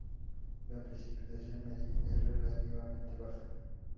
La precipitación media es relativamente baja.